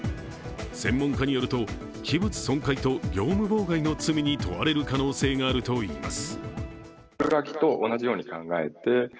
専門家によると、器物損壊と業務妨害の罪に問われる可能性があるといいます。